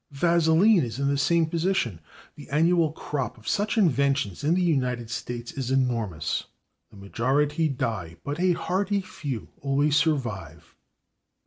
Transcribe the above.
/Vaseline/ is in the same position. The annual crop of such inventions in the United States is enormous. The majority die, but a hearty few always survive.